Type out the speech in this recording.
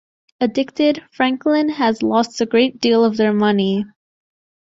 Addicted, Franklin has lost a great deal of their money.